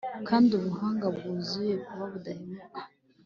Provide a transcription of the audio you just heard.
kandi ubuhanga bwuzuye buba mu budahemuka